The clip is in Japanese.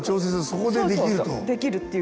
そこでできると。